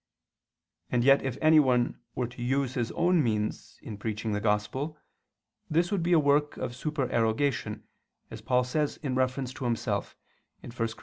And yet if anyone were to use his own means in preaching the Gospel, this would be a work of supererogation, as Paul says in reference to himself (1 Cor.